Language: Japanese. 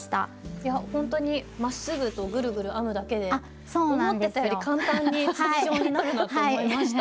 いやほんとにまっすぐとぐるぐる編むだけで思ってたより簡単に筒状になるなと思いました。